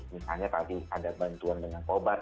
misalnya tadi ada bantuan dengan obat